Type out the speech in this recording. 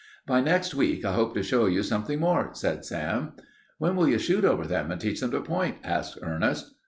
"By next week I hope to show you something more," said Sam. "When will you shoot over them and teach them to point?" asked Ernest.